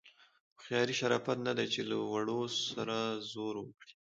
هوښیاري شرافت نه دی چې له وړو سره زور وکړي.